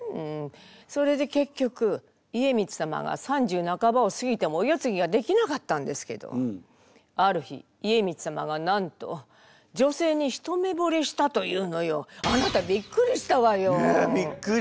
それで結局家光様が３０半ばを過ぎてもお世継ぎができなかったんですけどある日家光様がなんと女性に一目ぼれしたというのよ。あなたびっくりしたわよ。ねえびっくり。